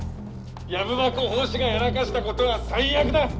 藪箱法師がやらかしたことは最悪だッ！